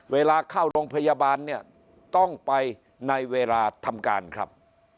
เวลาเข้าโรงพยาบาลเนี่ยต้องไปในเวลาทำการครับ